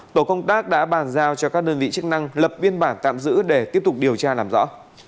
tổ công tác đã bàn giao cho các đơn vị chức năng lập biên bản tạm giữ để tiếp tục điều tra làm rõ